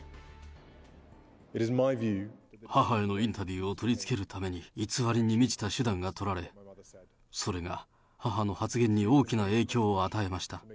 母へのインタビューを取り付けるために偽りに満ちた手段が取られ、それが母の発言に大きな影響を与えました。